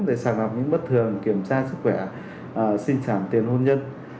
để sàng lọc những bất thường kiểm tra sức khỏe sinh sản tiền hôn nhân